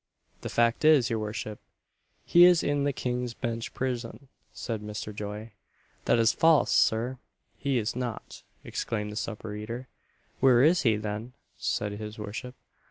"The fact is, your worship, he is in the King's Bench prison," said Mr. Joy. "That is false, Sir! He is not," exclaimed the supper eater. "Where is he, then?" said his worship.